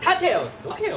どけよ。